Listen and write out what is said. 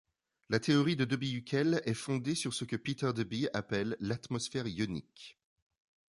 La théorie de Debye-Hückel est fondée sur ce que Peter Debye appelle l'atmosphère ionique.